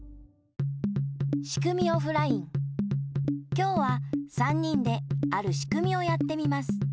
きょうは３にんであるしくみをやってみます。